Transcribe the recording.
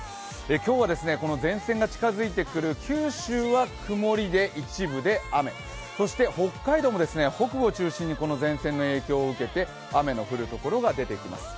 今日は前線が近づいてくる九州は曇りで、一部で雨、そして北海道も北部を中心にこの前線の影響を受けて雨の降るところが出てきます。